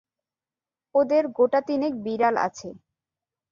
ওদের গোটা তিনেক বিড়াল আছে।